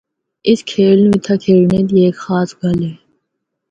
اس کھیل نوں اِتھا کھیڈنا دی ہک خاص گل ہے۔